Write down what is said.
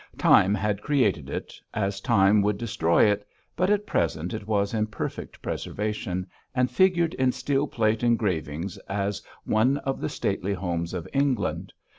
Time had created it, as Time would destroy it, but at present it was in perfect preservation, and figured in steel plate engravings as one of the stately homes of England.